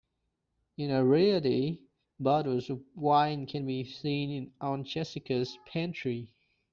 In "Arrietty", bottles of wine can be seen in Aunt Jessica's pantry.